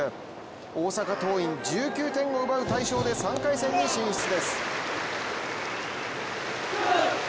大阪桐蔭、１９点を奪う大勝で３回戦に進出です。